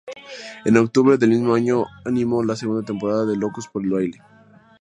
En octubre del mismo año animó la segunda temporada de "Locos por el baile".